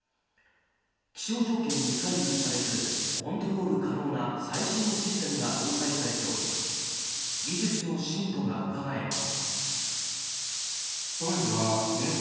気象条件に左右されずコントロール可能な最新のシステムが搭載されており技術の進歩がうかがえます。